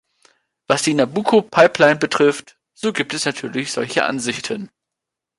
Was die Nabucco-Pipeline betrifft, so gibt es natürlich solche Ansichten.